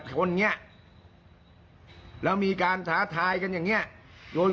จะต้องมีความผิดจะต้องมีบาปติดตัวไปตลอดชีวิตแน่นอน